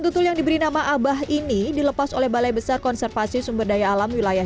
tutul yang diberi nama abah ini dilepas oleh balai besar konservasi sumber daya alam wilayah